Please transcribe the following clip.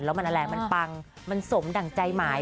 แล้วมันอะไรมันปังมันสมดั่งใจหมาย